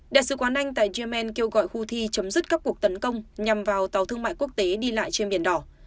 đại sứ quán anh tại yemen kêu gọi houthi chấm dứt các cuộc tấn công nhằm vào tàu thương mại quốc tế đi lại trên biển đỏ